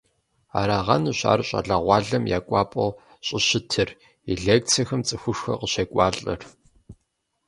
Арагъэнущ ар щӀалэгъуалэм я кӀуапӀэу щӀыщытыр, и лекцэхэм цӀыхушхуэ къыщӀекӀуалӀэр.